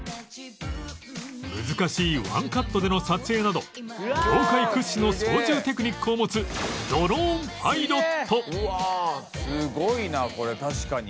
難しいワンカットでの撮影など業界屈指の操縦テクニックを持つ「すごいなこれ確かに」